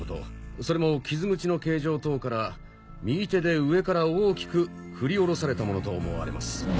それも傷口の形状等から右手で上から大きく振り下ろされたものと思われます。